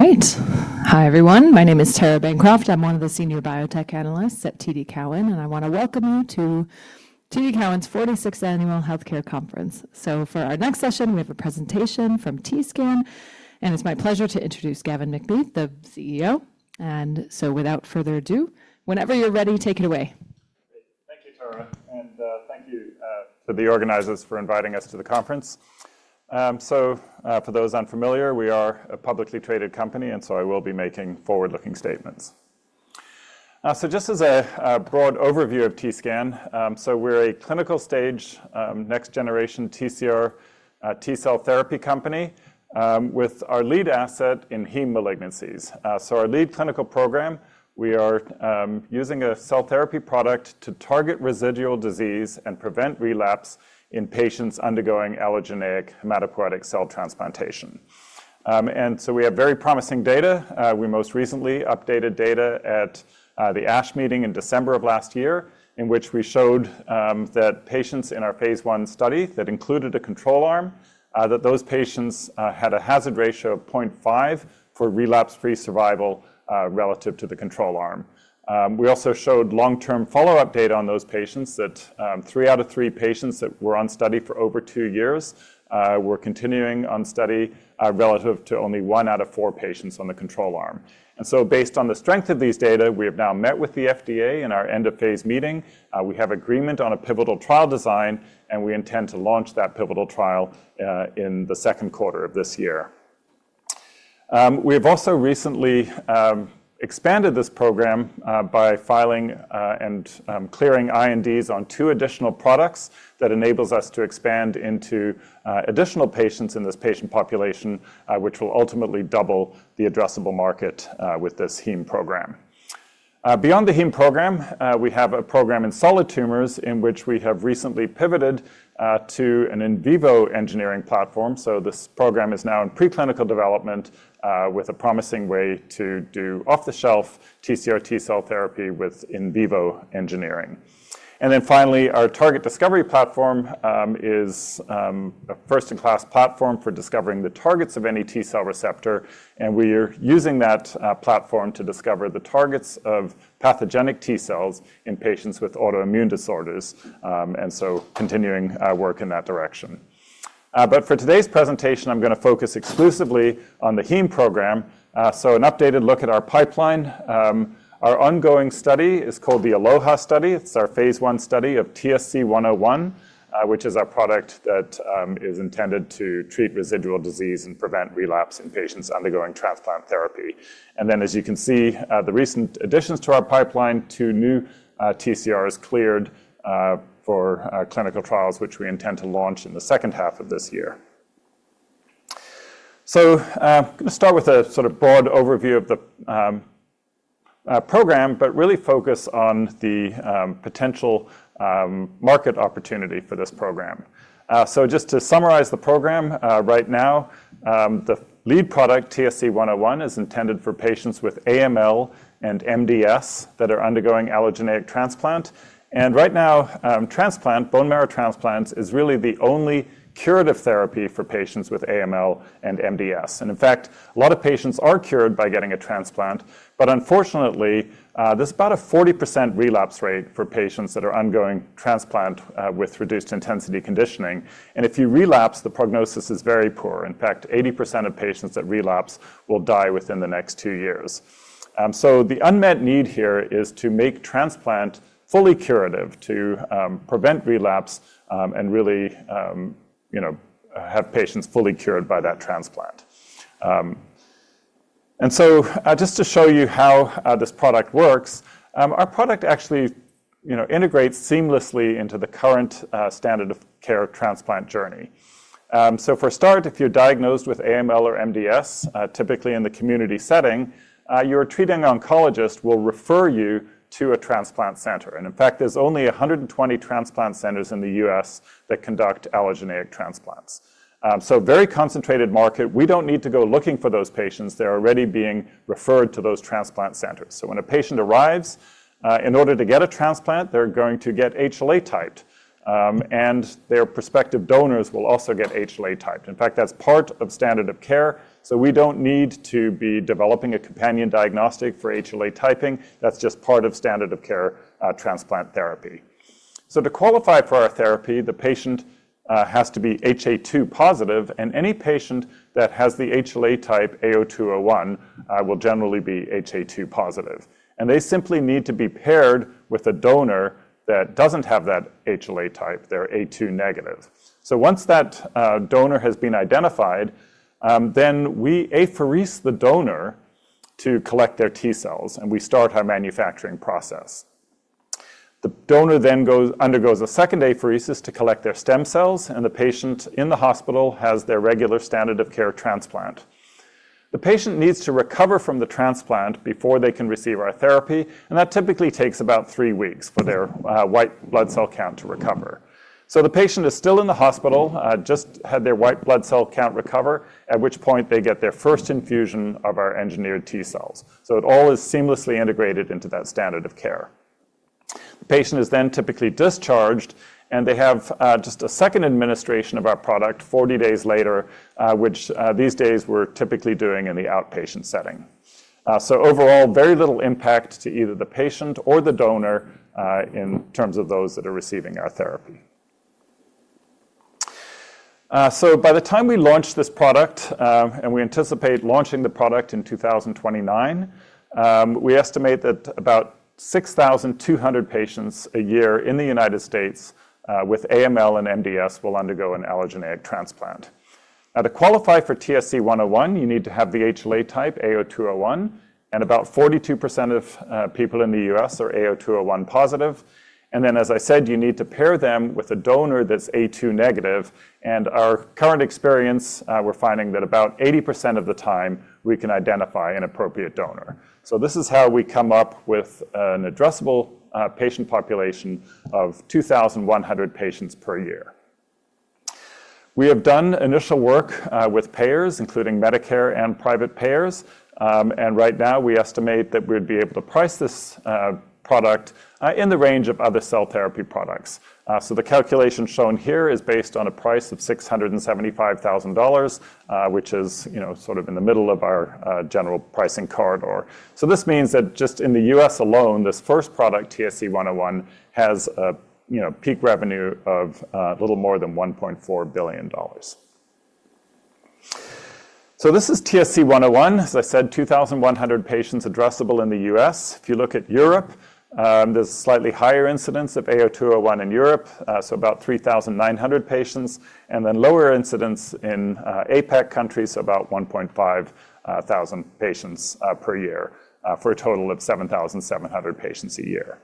Great. Hi, everyone. My name is Tara. I'm one of the senior biotech analysts at TD Cowen, and I want to welcome you to TD Cowen's 46th Annual Healthcare Conference. For our next session, we have a presentation from TScan, and it's my pleasure to introduce Gavin MacBeath, the CEO. Without further ado, whenever you're ready, take it away. Thank you, Tara, thank you to the organizers for inviting us to the conference. For those unfamiliar, we are a publicly traded company, and so I will be making forward-looking statements. Just as a broad overview of TScan, we're a clinical stage, next-generation TCR T-cell therapy company, with our lead asset in heme malignancies. Our lead clinical program, we are using a cell therapy product to target residual disease and prevent relapse in patients undergoing allogeneic hematopoietic cell transplantation. We have very promising data. We most recently updated data at the ASH meeting in December of last year, in which we showed that patients in our phase I study that included a control arm, that those patients had a hazard ratio of 0.5 for relapse-free survival relative to the control arm. We also showed long-term follow-up data on those patients that three out of three patients that were on study for over two years were continuing on study relative to only one out of four patients on the control arm. Based on the strength of these data, we have now met with the FDA in our end of phase meeting. We have agreement on a pivotal trial design, and we intend to launch that pivotal trial in the second quarter of this year. We have also recently expanded this program by filing and clearing INDs on two additional products that enables us to expand into additional patients in this patient population, which will ultimately double the addressable market with this heme program. Beyond the heme program, we have a program in solid tumors in which we have recently pivoted to an in vivo engineering platform. This program is now in pre-clinical development with a promising way to do off-the-shelf TCR T-cell therapy with in vivo engineering. Finally, our target discovery platform is a first-in-class platform for discovering the targets of any T-cell receptor, and we are using that platform to discover the targets of pathogenic T-cells in patients with autoimmune disorders, and so continuing work in that direction. For today's presentation, I'm going to focus exclusively on the heme program. An updated look at our pipeline. Our ongoing study is called the ALLOHA Study. It's our Phase I study of TSC-101, which is our product that is intended to treat residual disease and prevent relapse in patients undergoing transplant therapy. As you can see, the recent additions to our pipeline, two new TCRs cleared for clinical trials, which we intend to launch in the second half of this year. Gonna start with a sort of broad overview of the program, but really focus on the potential market opportunity for this program. Just to summarize the program, right now, the lead product, TSC-101, is intended for patients with AML and MDS that are undergoing allogeneic transplant. Right now, bone marrow transplants, is really the only curative therapy for patients with AML and MDS. In fact, a lot of patients are cured by getting a transplant. Unfortunately, there's about a 40% relapse rate for patients that are undergoing transplant with reduced intensity conditioning. If you relapse, the prognosis is very poor. In fact, 80% of patients that relapse will die within the next two years. The unmet need here is to make transplant fully curative, to prevent relapse, and really, you know, have patients fully cured by that transplant. Just to show you how this product works, our product actually, you know, integrates seamlessly into the current standard of care transplant journey. For a start, if you're diagnosed with AML or MDS, typically in the community setting, your treating oncologist will refer you to a transplant center. There's only 120 transplant centers in the U.S. that conduct allogeneic transplants. Very concentrated market. We don't need to go looking for those patients. They're already being referred to those transplant centers. When a patient arrives, in order to get a transplant, they're going to get HLA typed, and their prospective donors will also get HLA typed. In fact, that's part of standard of care, so we don't need to be developing a companion diagnostic for HLA typing. That's just part of standard of care, transplant therapy. To qualify for our therapy, the patient has to be HA2 positive, and any patient that has the HLA type HLA-A*02:01 will generally be HA2 positive. They simply need to be paired with a donor that doesn't have that HLA type. They're A2 negative. Once that donor has been identified, then we apheresis the donor to collect their T-cells, and we start our manufacturing process. The donor then undergoes a second apheresis to collect their stem cells, and the patient in the hospital has their regular standard of care transplant. The patient needs to recover from the transplant before they can receive our therapy, and that typically takes about three weeks for their white blood cell count to recover. The patient is still in the hospital, just had their white blood cell count recover, at which point they get their first infusion of our engineered T-cells. It all is seamlessly integrated into that standard of care. The patient is then typically discharged, and they have just a second administration of our product 40 days later, which these days we're typically doing in the outpatient setting. Overall, very little impact to either the patient or the donor, in terms of those that are receiving our therapy. By the time we launch this product, and we anticipate launching the product in 2029, we estimate that about 6,200 patients a year in the United States, with AML and MDS will undergo an allogeneic transplant. To qualify for TSC-101, you need to have the HLA type HLA-A*02:01, and about 42% of people in the U.S. are HLA-A*02:01 positive. As I said, you need to pair them with a donor that's HLA-A*02:01 negative. Our current experience, we're finding that about 80% of the time, we can identify an appropriate donor. This is how we come up with an addressable patient population of 2,100 patients per year. We have done initial work with payers, including Medicare and private payers, and right now, we estimate that we'd be able to price this product in the range of other cell therapy products. The calculation shown here is based on a price of $675,000, which is, you know, sort of in the middle of our general pricing corridor. This means that just in the U.S. alone, this first product, TSC-101, has a, you know, peak revenue of little more than $1.4 billion. This is TSC-101. As I said, 2,100 patients addressable in the U.S. If you look at Europe, there's slightly higher incidence of AO 201 in Europe, about 3,900 patients, lower incidence in APAC countries, about 1,500 patients per year, for a total of 7,700 patients a year.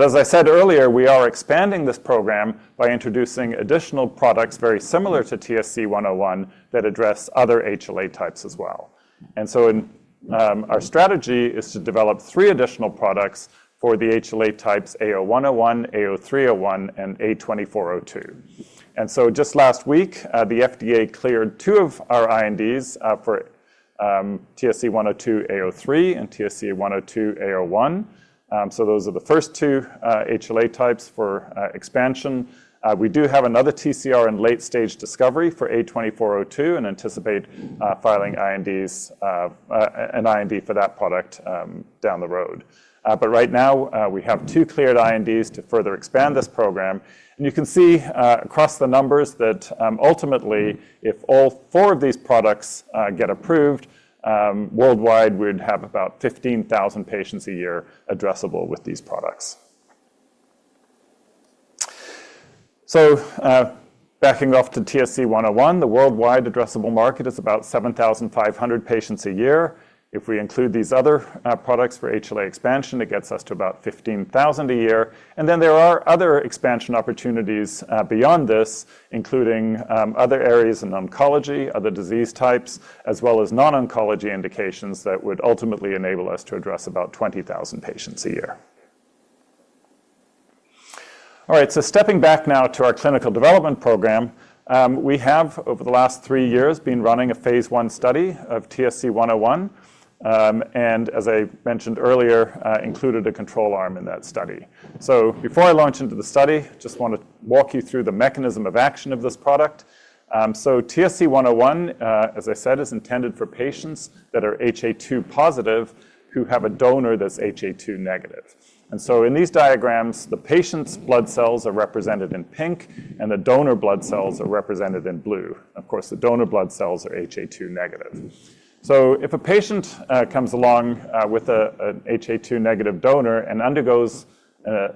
As I said earlier, we are expanding this program by introducing additional products very similar to TSC-101 that address other HLA types as well. Our strategy is to develop three additional products for the HLA types HLA-A*01:01, HLA-A*03:01, and HLA-A*24:02. Just last week, the FDA cleared two of our INDs for TSC-102-A03 and TSC-102-A01. Those are the first two HLA types for expansion. We do have another TCR in late stage discovery for HLA-A*24:02 and anticipate filing an IND for that product down the road. Right now, we have two cleared INDs to further expand this program. You can see across the numbers that ultimately, if all four of these products get approved worldwide, we'd have about 15,000 patients a year addressable with these products. Backing off to TSC-101, the worldwide addressable market is about 7,500 patients a year. If we include these other products for HLA expansion, it gets us to about 15,000 a year. There are other expansion opportunities beyond this, including other areas in oncology, other disease types, as well as non-oncology indications that would ultimately enable us to address about 20,000 patients a year. All right, stepping back now to our clinical development program, we have, over the last three years, been running a phase I study of TSC-101, as I mentioned earlier, included a control arm in that study. Before I launch into the study, just wanna walk you through the mechanism of action of this product. TSC-101, as I said, is intended for patients that are HA2 positive who have a donor that's HA2 negative. In these diagrams, the patient's blood cells are represented in pink, and the donor blood cells are represented in blue. Of course, the donor blood cells are HA2 negative. If a patient comes along with an HA2 negative donor and undergoes a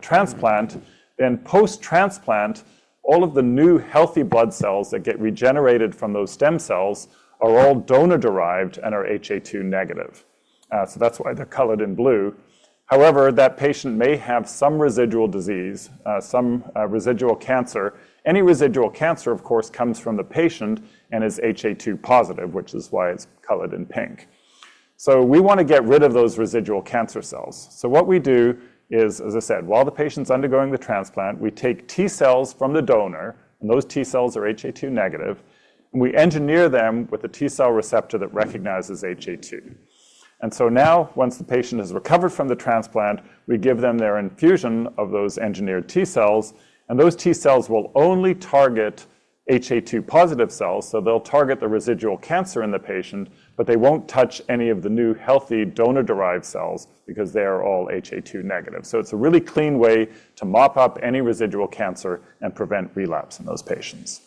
transplant, then post-transplant, all of the new healthy blood cells that get regenerated from those stem cells are all donor-derived and are HA2 negative. That's why they're colored in blue. However, that patient may have some residual disease, some residual cancer. Any residual cancer, of course, comes from the patient and is HA2 positive, which is why it's colored in pink. We wanna get rid of those residual cancer cells. What we do is, as I said, while the patient's undergoing the transplant, we take T cells from the donor, and those T cells are HA2 negative, and we engineer them with a T-cell receptor that recognizes HA2. Now, once the patient has recovered from the transplant, we give them their infusion of those engineered T cells, and those T cells will only target HA2 positive cells. They'll target the residual cancer in the patient, but they won't touch any of the new healthy donor-derived cells because they are all HA2 negative. It's a really clean way to mop up any residual cancer and prevent relapse in those patients.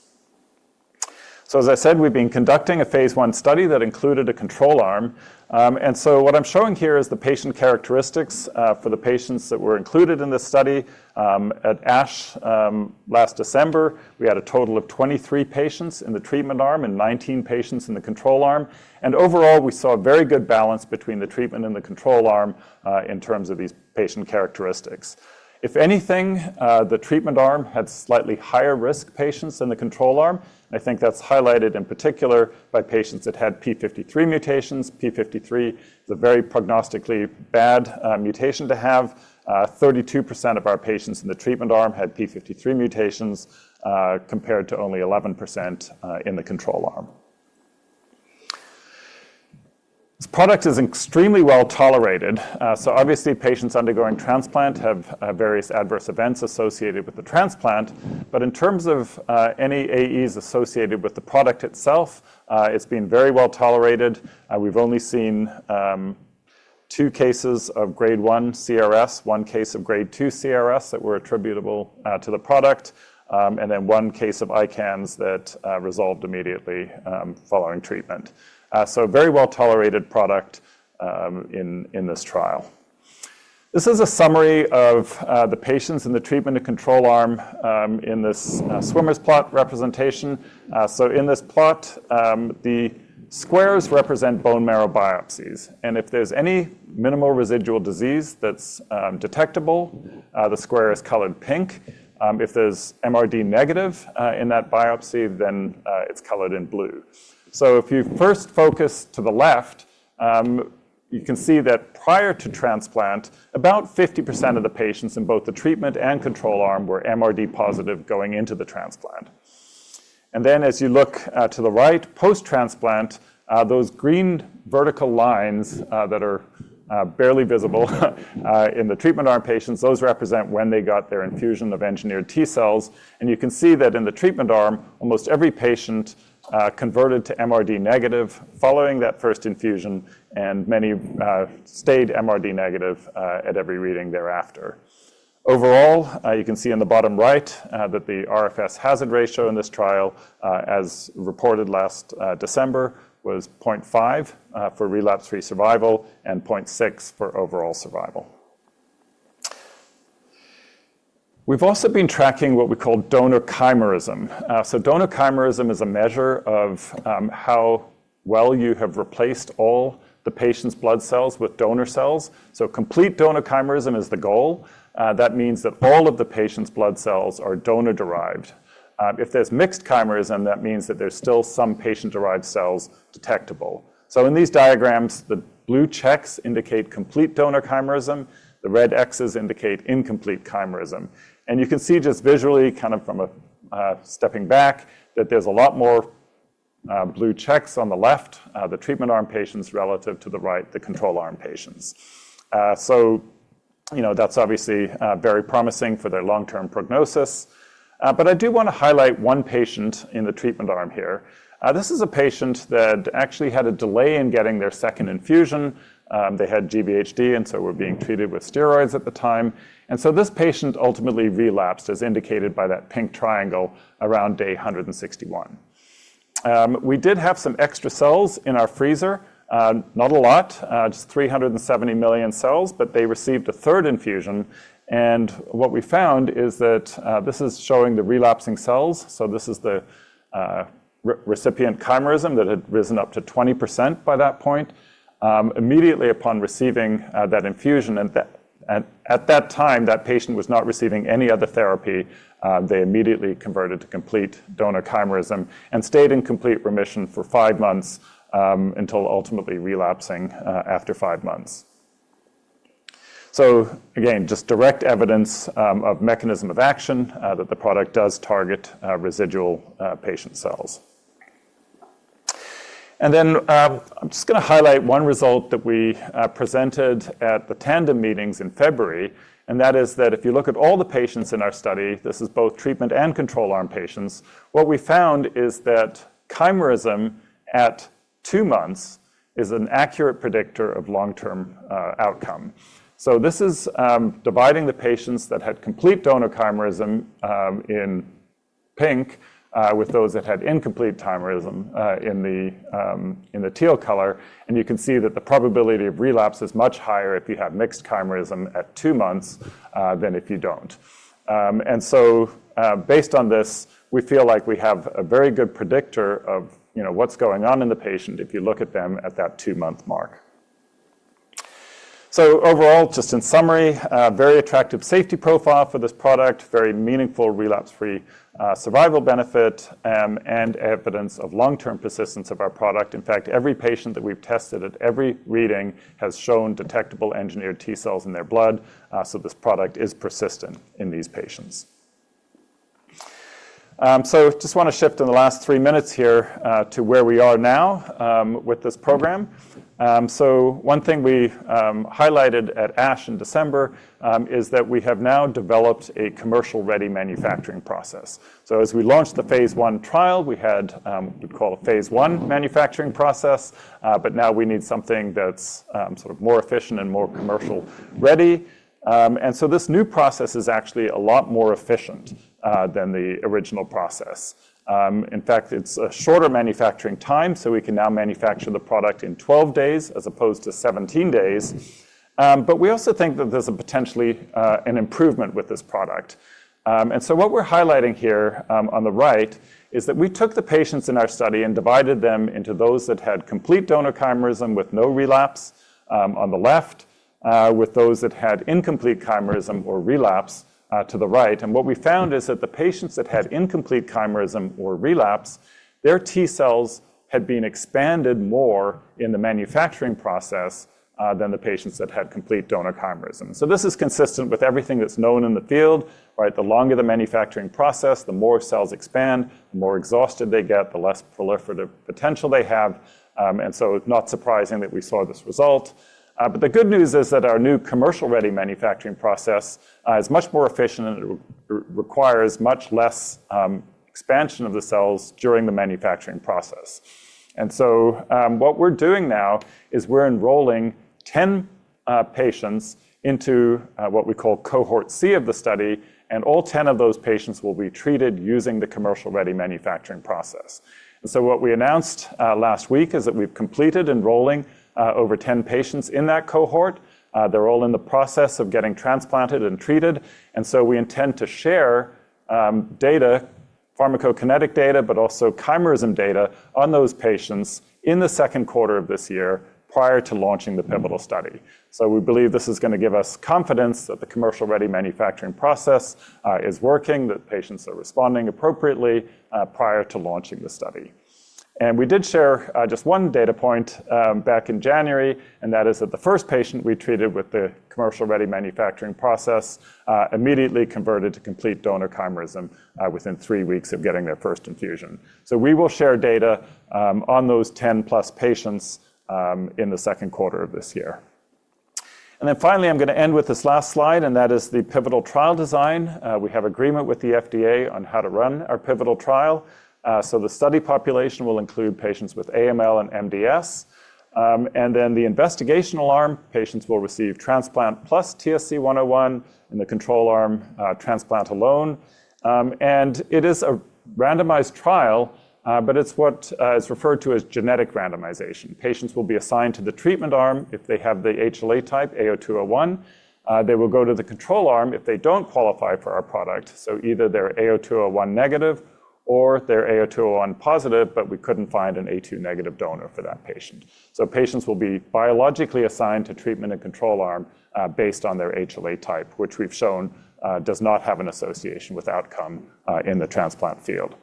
As I said, we've been conducting a Phase I study that included a control arm. What I'm showing here is the patient characteristics for the patients that were included in this study at ASH last December. We had a total of 23 patients in the treatment arm and 19 patients in the control arm. Overall, we saw a very good balance between the treatment and the control arm, in terms of these patient characteristics. If anything, the treatment arm had slightly higher-risk patients than the control arm. I think that's highlighted in particular by patients that had P53 mutations. P53 is a very prognostically bad mutation to have. 32% of our patients in the treatment arm had P53 mutations, compared to only 11% in the control arm. This product is extremely well-tolerated. Obviously, patients undergoing transplant have various adverse events associated with the transplant. In terms of any AEs associated with the product itself, it's been very well-tolerated. We've only seen two cases of grade one CRS, one case of grade two CRS that were attributable to the product, and then one case of ICANS that resolved immediately following treatment. Very well-tolerated product in this trial. This is a summary of the patients in the treatment and control arm in this swimmer plot representation. In this plot, the squares represent bone marrow biopsies, and if there's any minimal residual disease that's detectable, the square is colored pink. If there's MRD negative in that biopsy, it's colored in blue. If you first focus to the left, you can see that prior to transplant, about 50% of the patients in both the treatment and control arm were MRD positive going into the transplant. As you look to the right, post-transplant, those green vertical lines that are barely visible in the treatment arm patients, those represent when they got their infusion of engineered T cells. You can see that in the treatment arm, almost every patient converted to MRD negative following that first infusion, and many stayed MRD negative at every reading thereafter. Overall, you can see in the bottom right that the RFS hazard ratio in this trial, as reported last December, was 0.5 for relapse-free survival and 0.6 for overall survival. We've also been tracking what we call donor chimerism. Donor chimerism is a measure of how well you have replaced all the patient's blood cells with donor cells. Complete donor chimerism is the goal. That means that all of the patient's blood cells are donor-derived. If there's mixed chimerism, that means that there's still some patient-derived cells detectable. In these diagrams, the blue checks indicate complete donor chimerism. The red X's indicate incomplete chimerism. You can see just visually, kind of from a stepping back, that there's a lot more blue checks on the left, the treatment arm patients, relative to the right, the control arm patients. You know, that's obviously very promising for their long-term prognosis. I do wanna highlight one patient in the treatment arm here. This is a patient that actually had a delay in getting their second infusion. They had GvHD, and so were being treated with steroids at the time. This patient ultimately relapsed, as indicated by that pink triangle around day 161. We did have some extra cells in our freezer. Not a lot, just 370 million cells, but they received a third infusion. What we found is that this is showing the relapsing cells, so this is the recipient chimerism that had risen up to 20% by that point, immediately upon receiving that infusion. At that time, that patient was not receiving any other therapy. They immediately converted to complete donor chimerism and stayed in complete remission for five months, until ultimately relapsing after five months. Again, just direct evidence of mechanism of action, that the product does target residual patient cells. I'm just gonna highlight one result that we presented at the Tandem Meetings in February, and that is that if you look at all the patients in our study, this is both treatment and control arm patients, what we found is that chimerism at two months is an accurate predictor of long-term outcome. This is dividing the patients that had complete donor chimerism in pink, with those that had incomplete chimerism in the teal color, and you can see that the probability of relapse is much higher if you have mixed chimerism at two months than if you don't. Based on this, we feel like we have a very good predictor of, you know, what's going on in the patient if you look at them at that two-month mark. Overall, just in summary, a very attractive safety profile for this product, very meaningful relapse-free survival benefit, and evidence of long-term persistence of our product. In fact, every patient that we've tested at every reading has shown detectable engineered T cells in their blood. This product is persistent in these patients. Just wanna shift in the last three minutes here, to where we are now, with this program. One thing we highlighted at ASH in December, is that we have now developed a commercial-ready manufacturing process. As we launched the phase I trial, we had what we call a phase I manufacturing process, but now we need something that's sort of more efficient and more commercial-ready. This new process is actually a lot more efficient than the original process. In fact, it's a shorter manufacturing time, so we can now manufacture the product in 12 days as opposed to 17 days. We also think that there's a potentially an improvement with this product. What we're highlighting here on the right is that we took the patients in our study and divided them into those that had complete donor chimerism with no relapse on the left-With those that had incomplete chimerism or relapse to the right. What we found is that the patients that had incomplete chimerism or relapse, their T cells had been expanded more in the manufacturing process than the patients that had complete donor chimerism. This is consistent with everything that's known in the field, right? The longer the manufacturing process, the more cells expand, the more exhausted they get, the less proliferative potential they have. It's not surprising that we saw this result. The good news is that our new commercial-ready manufacturing process is much more efficient and it re-requires much less expansion of the cells during the manufacturing process. What we're doing now is we're enrolling 10 patients into what we call Cohort C of the study, and all 10 of those patients will be treated using the commercial-ready manufacturing process. What we announced last week is that we've completed enrolling over 10 patients in that Cohort. They're all in the process of getting transplanted and treated. We intend to share data, pharmacokinetic data, but also chimerism data on those patients in the second quarter of this year prior to launching the pivotal study. We believe this is gonna give us confidence that the commercial-ready manufacturing process is working, that patients are responding appropriately prior to launching the study. We did share just one data point back in January, and that is that the first patient we treated with the commercial-ready manufacturing process immediately converted to complete donor chimerism within three weeks of getting their first infusion. We will share data on those 10+ patients in the second quarter of this year. Finally, I'm gonna end with this last slide, and that is the pivotal trial design. We have agreement with the FDA on how to run our pivotal trial. The study population will include patients with AML and MDS. Then the investigational arm patients will receive transplant plus TSC-101, and the control arm, transplant alone. It is a randomized trial, but it's what is referred to as genetic randomization. Patients will be assigned to the treatment arm if they have the HLA type AO 201. They will go to the control arm if they don't qualify for our product. Either they're AO 201 negative or they're AO 201 positive, but we couldn't find an A2 negative donor for that patient. Patients will be biologically assigned to treatment and control arm, based on their HLA type, which we've shown, does not have an association with outcome in the transplant field.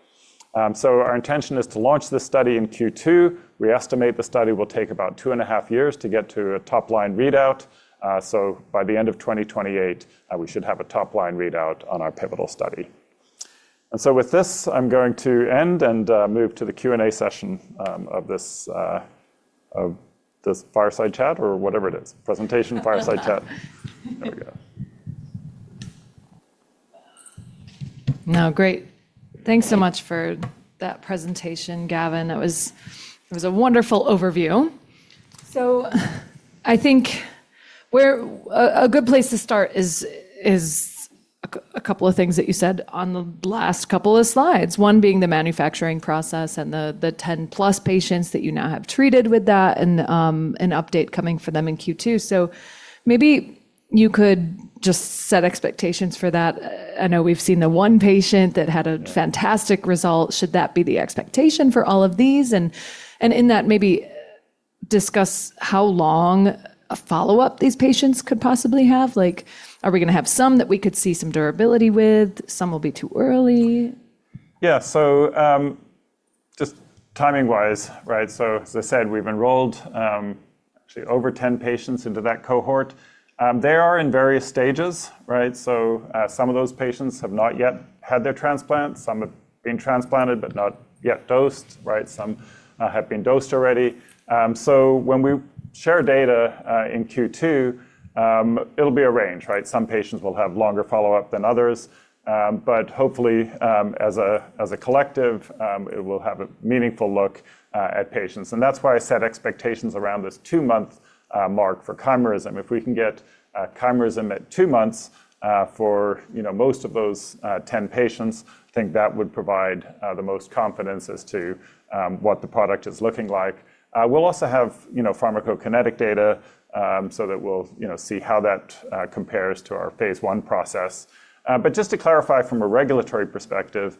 Our intention is to launch this study in Q2. We estimate the study will take about 2.5 years to get to a top-line readout. By the end of 2028, we should have a top-line readout on our pivotal study. With this, I'm going to end and move to the Q&A session of this fireside chat or whatever it is. Presentation, fireside chat. There we go. No. Great. Thanks so much for that presentation, Gavin. It was a wonderful overview. I think where a good place to start is a couple of things that you said on the last couple of slides. One being the manufacturing process and the 10-plus patients that you now have treated with that and an update coming for them in Q2. Maybe you could just set expectations for that. I know we've seen the one patient that had a fantastic result. Should that be the expectation for all of these? In that, maybe discuss how long a follow-up these patients could possibly have. Like, are we gonna have some that we could see some durability with? Some will be too early. Yeah. Just timing-wise, right? As I said, we've enrolled actually over 10 patients into that cohort. They are in various stages, right? Some of those patients have not yet had their transplant. Some have been transplanted but not yet dosed, right? Some have been dosed already. When we share data in Q2, it'll be a range, right? Some patients will have longer follow-up than others. Hopefully, as a collective, it will have a meaningful look at patients. That's why I set expectations around this two-month mark for chimerism. If we can get chimerism at two months for, you know, most of those 10 patients, I think that would provide the most confidence as to what the product is looking like. We'll also have, you know, pharmacokinetic data, so that we'll, you know, see how that compares to our Phase I process. Just to clarify from a regulatory perspective,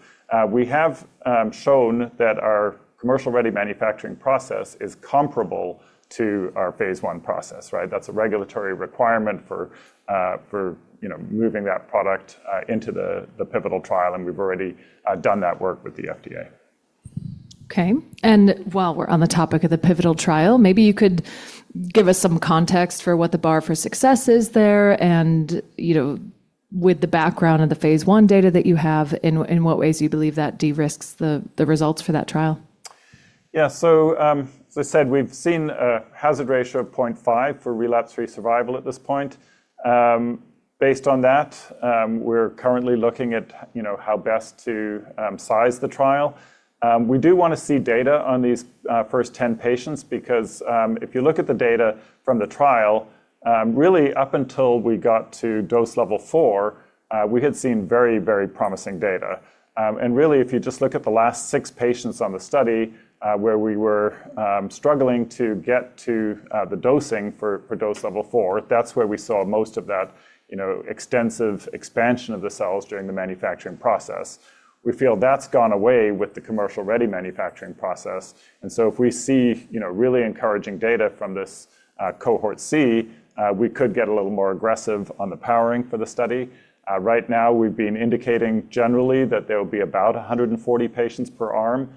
we have shown that our commercial-ready manufacturing process is comparable to our Phase I process, right? That's a regulatory requirement for, you know, moving that product into the pivotal trial, and we've already done that work with the FDA. Okay. While we're on the topic of the pivotal trial, maybe you could give us some context for what the bar for success is there and, you know, with the background and the phase I data that you have, in what ways do you believe that de-risks the results for that trial? Yeah. As I said, we've seen a hazard ratio of 0.5 for relapse-free survival at this point. Based on that, we're currently looking at, you know, how best to size the trial. We do wanna see data on these 10 patients because, if you look at the data from the trial, really up until we got to dose level four, we had seen very promising data. And really, if you just look at the last six patients on the study, where we were struggling to get to the dosing for dose level four, that's where we saw most of that, you know, extensive expansion of the cells during the manufacturing process. We feel that's gone away with the commercial-ready manufacturing process. If we see, you know, really encouraging data from this, Cohort C, we could get a little more aggressive on the powering for the study. Right now we've been indicating generally that there will be about 140 patients per arm,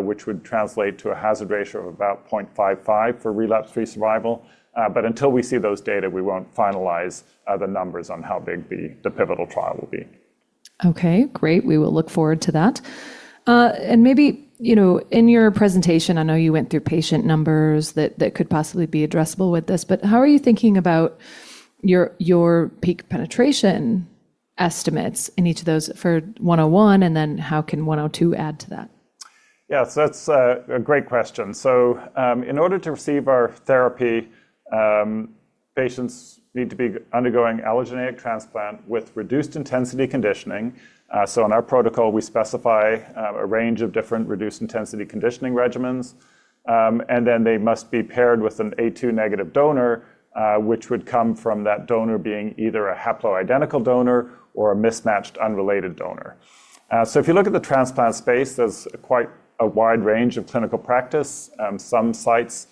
which would translate to a hazard ratio of about 0.55 for relapse-free survival. But until we see those data, we won't finalize the numbers on how big the pivotal trial will be. Okay, great. We will look forward to that. Maybe, you know, in your presentation, I know you went through patient numbers that could possibly be addressable with this, but how are you thinking about your peak penetration estimates in each of those for 101 and then how can 102 add to that? Yeah. That's a great question. In order to receive our therapy, patients need to be undergoing allogeneic transplant with reduced intensity conditioning. In our protocol, we specify a range of different reduced intensity conditioning regimens. They must be paired with an A2 negative donor, which would come from that donor being either a haploidentical donor or a mismatched unrelated donor. If you look at the transplant space, there's quite a wide range of clinical practice. Some sites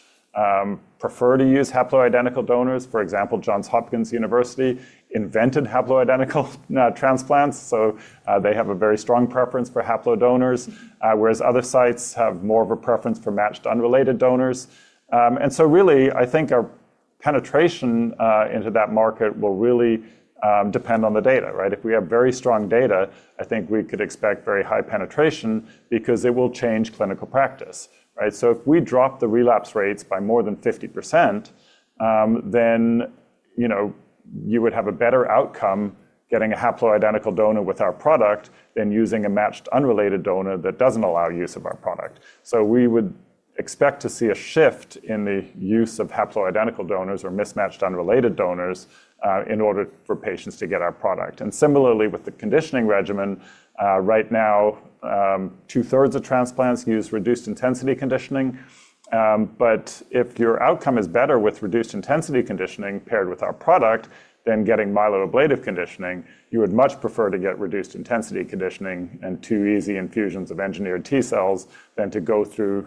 prefer to use haploidentical donors. For example, Johns Hopkins University invented haploidentical transplants, they have a very strong preference for haplo donors. Whereas other sites have more of a preference for matched unrelated donors. Really, I think our penetration into that market will really depend on the data, right? If we have very strong data, I think we could expect very high penetration because it will change clinical practice, right? If we drop the relapse rates by more than 50%, then you would have a better outcome getting a haploidentical donor with our product than using a matched unrelated donor that doesn't allow use of our product. We would expect to see a shift in the use of haploidentical donors or mismatched unrelated donors in order for patients to get our product. Similarly, with the conditioning regimen, right now, two-thirds of transplants use reduced intensity conditioning. If your outcome is better with reduced intensity conditioning paired with our product than getting myeloablative conditioning, you would much prefer to get reduced intensity conditioning and two easy infusions of engineered T cells than to go through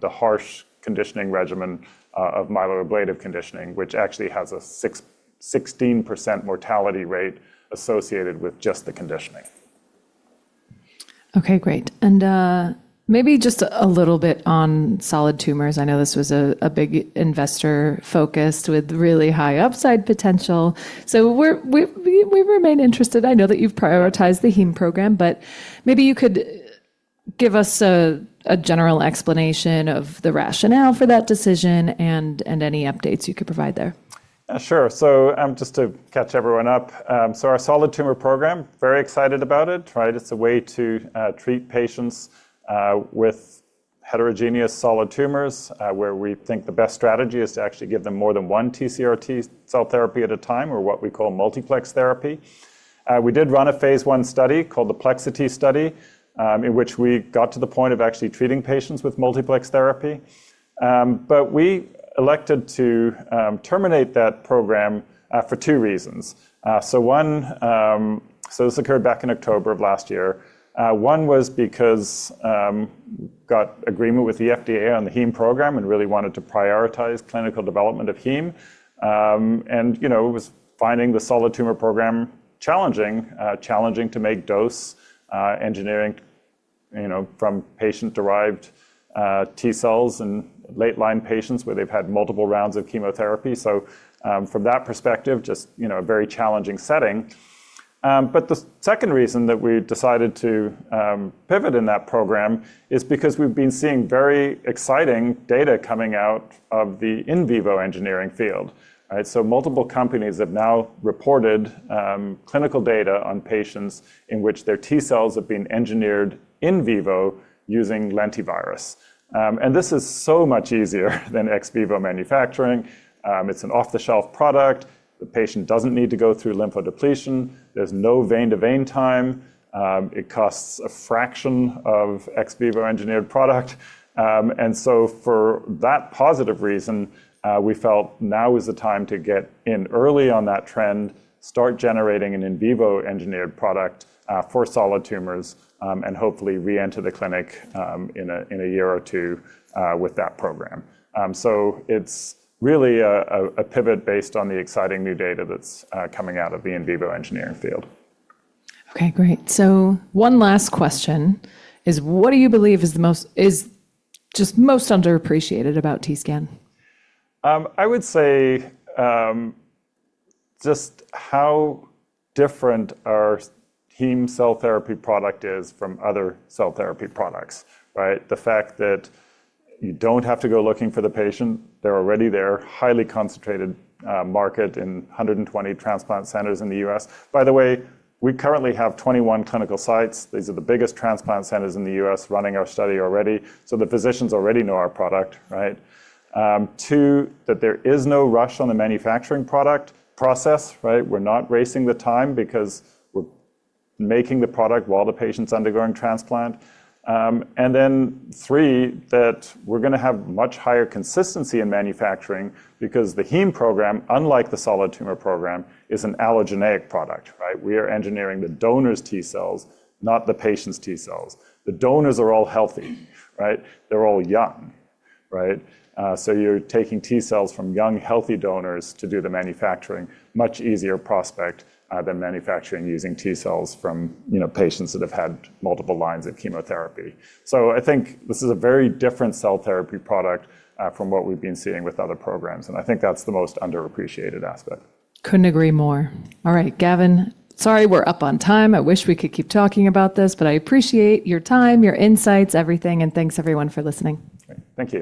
the harsh conditioning regimen of myeloablative conditioning, which actually has a 16% mortality rate associated with just the conditioning. Okay, great. Maybe just a little bit on solid tumors. I know this was a big investor focus with really high upside potential. We remain interested. I know that you've prioritized the heme program, but maybe you could give us a general explanation of the rationale for that decision and any updates you could provide there. Sure. Just to catch everyone up. Our solid tumor program, very excited about it, right? It's a way to treat patients with heterogeneous solid tumors, where we think the best strategy is to actually give them more than one TCR-T cell therapy at a time, or what we call multiplex therapy. We did run a phase I study called the PLEXI-T Study, in which we got to the point of actually treating patients with multiplex therapy. We elected to terminate that program for two reasons. This occurred back in October of last year. One was because got agreement with the FDA on the heme program and really wanted to prioritize clinical development of heme. you know, was finding the solid tumor program challenging to make dose, engineering, you know, from patient-derived T cells in late-line patients where they've had multiple rounds of chemotherapy. From that perspective, just, you know, a very challenging setting. The second reason that we decided to pivot in that program is because we've been seeing very exciting data coming out of the in vivo engineering field, right? Multiple companies have now reported clinical data on patients in which their T cells have been engineered in vivo using lentivirus. This is so much easier than ex vivo manufacturing. It's an off-the-shelf product. The patient doesn't need to go through lymphodepletion. There's no vein-to-vein time. It costs a fraction of ex vivo engineered product. For that positive reason, we felt now is the time to get in early on that trend, start generating an in vivo engineered product, for solid tumors, and hopefully reenter the clinic, in a year or two, with that program. It's really a pivot based on the exciting new data that's coming out of the in vivo engineering field. Okay, great. One last question is what do you believe is just most underappreciated about TScan? I would say, just how different our heme cell therapy product is from other cell therapy products, right? The fact that you don't have to go looking for the patient, they're already there. Highly concentrated, market in 120 transplant centers in the U.S. By the way, we currently have 21 clinical sites. These are the biggest transplant centers in the U.S. running our study already. The physicians already know our product, right? Two, that there is no rush on the manufacturing product process, right? We're not racing the time because we're making the product while the patient's undergoing transplant. Three, that we're gonna have much higher consistency in manufacturing because the heme program, unlike the solid tumor program, is an allogeneic product, right? We are engineering the donor's T cells, not the patient's T cells. The donors are all healthy, right? They're all young, right? You're taking T cells from young, healthy donors to do the manufacturing. Much easier prospect than manufacturing using T cells from, you know, patients that have had multiple lines of chemotherapy. I think this is a very different cell therapy product from what we've been seeing with other programs, and I think that's the most underappreciated aspect. Couldn't agree more. Gavin, sorry, we're up on time. I wish we could keep talking about this, but I appreciate your time, your insights, everything, and thanks everyone for listening. Thank you.